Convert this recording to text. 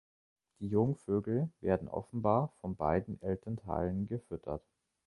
Die Jungvögel werden offenbar von beiden Elternteilen gefüttert.